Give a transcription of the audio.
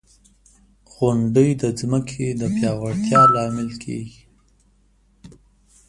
• غونډۍ د ځمکې د پیاوړتیا لامل دی.